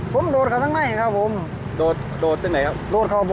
ผมโดดข้างในครับผมโดดโดดตัวไหนครับโดดข้าวบ๋อ